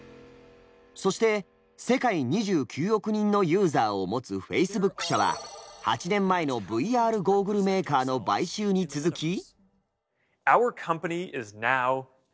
そして世界２９億人のユーザーを持つフェイスブック社は８年前のＶＲゴーグルメーカーの買収に続き。